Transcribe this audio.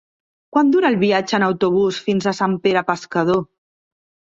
Quant dura el viatge en autobús fins a Sant Pere Pescador?